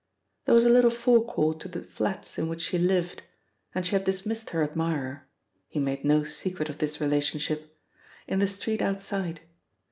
There was a little forecourt to the flats in which she lived, and she had dismissed her admirer (he made no secret of this relationship) in the street outside.